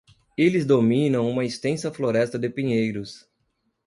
Eles dominam uma extensa floresta de pinheiros.